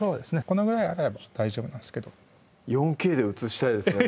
このぐらいなら大丈夫なんですけど４Ｋで映したいですね